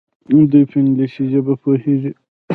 دوی په انګلیسي ژبه پوهیږي.